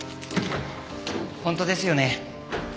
本当ですよね。